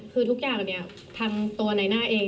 เธออยากให้ชี้แจ่งความจริง